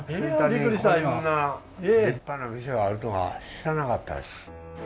吹田にこんな立派な店があるとは知らなかったです。